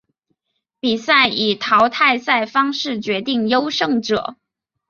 比赛以淘汰赛方式决定优胜者。